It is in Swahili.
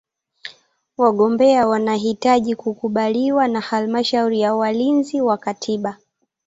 Wagombea wanahitaji kukubaliwa na Halmashauri ya Walinzi wa Katiba.